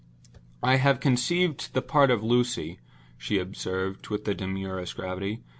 "I have conceived the part of Lucy," she observed, with the demurest gravity.